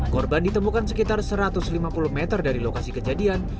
korban ditemukan sekitar satu ratus lima puluh meter dari lokasi kejadian